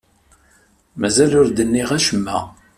Mazal ur d-nniɣ acemma.